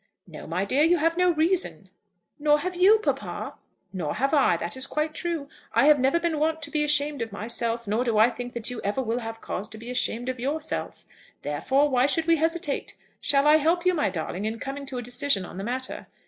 "No, my dear; you have no reason." "Nor have you, papa." "Nor have I. That is quite true. I have never been wont to be ashamed of myself; nor do I think that you ever will have cause to be ashamed of yourself. Therefore, why should we hesitate? Shall I help you, my darling, in coming to a decision on the matter?"